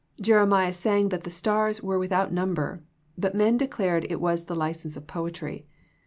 Jeremiah sang that the stars were without num ber, but men declared it was the license of poetry.